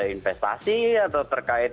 investasi atau terkait